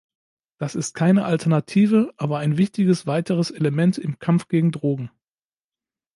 Das ist keine Alternative, aber ein wichtiges weiteres Element im Kampf gegen Drogen.